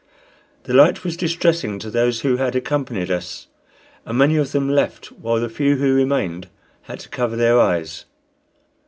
The light was distressing to those who had accompanied us, and many of them left, while the few who remained had to cover their eyes.